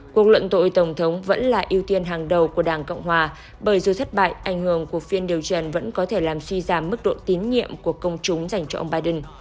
cuộc luận tội tổng thống vẫn là ưu tiên hàng đầu của đảng cộng hòa bởi dù thất bại ảnh hưởng của phiên điều trần vẫn có thể làm suy giảm mức độ tín nhiệm của công chúng dành cho ông biden